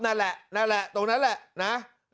นั่นแหละนั่นแหละตรงนั้นแหละนะ